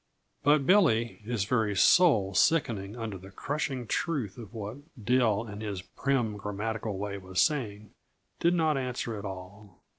But Billy, his very soul sickening under the crushing truth of what Dill in his prim grammatical way was saying, did not answer at all.